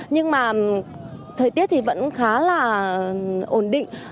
nhưng mà thời tiết thì vẫn khá là ổn định